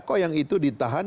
kok yang itu ditahan